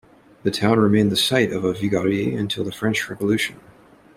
The town remained the site of a "viguerie" until the French Revolution.